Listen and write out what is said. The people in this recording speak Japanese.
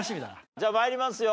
じゃあ参りますよ。